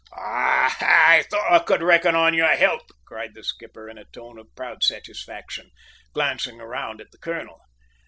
"Ah, I thought I could reckon on your help," cried the skipper in a tone of proud satisfaction, glancing round at the colonel.